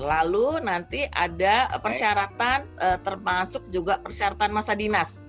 lalu nanti ada persyaratan termasuk juga persyaratan masa dinas